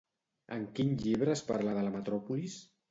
En quin llibre es parla de la metròpolis?